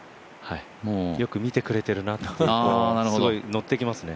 よく見てくれているなってすごい乗ってきますね。